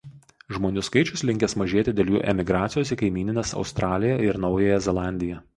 Žmonių skaičius linkęs mažėti dėl jų emigracijos į kaimynines Australiją ir Naująją Zelandiją.